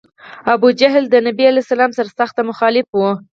ابوجهل د نبي علیه السلام سر سخت مخالف و.